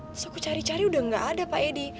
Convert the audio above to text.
terus aku cari cari udah gak ada pak edi